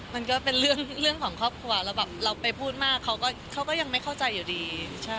มันก็เป็นเรื่องของครอบครัวแล้วแบบเราไปพูดมากเขาก็ยังไม่เข้าใจอยู่ดี